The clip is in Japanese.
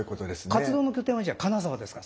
活動の拠点はじゃあ金沢ですか